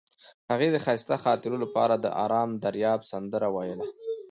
هغې د ښایسته خاطرو لپاره د آرام دریاب سندره ویله.